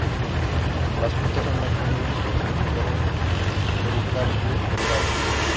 Las frutas son aquenios con un pericarpio delgado.